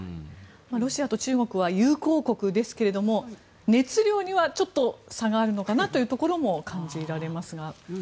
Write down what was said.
ロシアと中国は友好国ですが熱量にはちょっと差があるのかなというところも感じられますが。